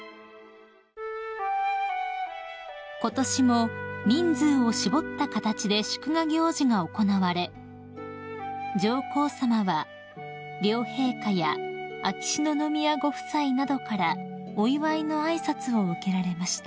［ことしも人数を絞った形で祝賀行事が行われ上皇さまは両陛下や秋篠宮ご夫妻などからお祝いの挨拶を受けられました］